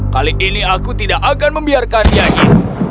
kali ini aku tidak akan membiarkan nyanyi